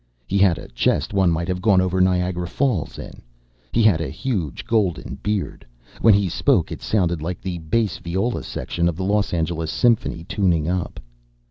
He had a chest one might have gone over Niagara Falls in. He had a huge golden beard. When he spoke it sounded like the bass viol section of the Los Angeles Symphony tuning up.